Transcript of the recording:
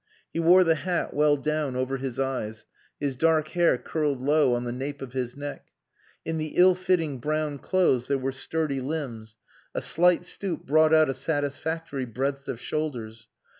He wore the hat well down over his eyes, his dark hair curled low on the nape of his neck; in the ill fitting brown clothes there were sturdy limbs; a slight stoop brought out a satisfactory breadth of shoulders.